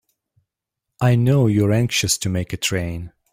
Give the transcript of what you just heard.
I know you're anxious to make a train.